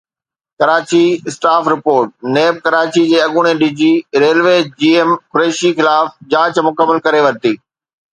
Karachi (staff reporter) NAB Karachi جي اڳوڻي DG railway G M Qureshi خلاف جاچ مڪمل ڪري ورتي